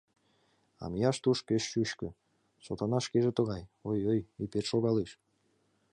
А мияш туш пеш шучко, Сотана шкеже тугай, ой-ой, ӱпет шогалеш...